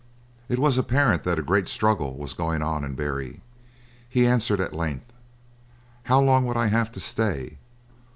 It was apparent that a great struggle was going on in Barry. He answered at length: "How long would I have to stay?